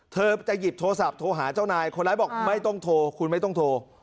เธอจะหยิบโทรศัพท์โทรหาเจ้านายคนร้ายบอกไม่ต้องโทรคุณไม่ต้องโทร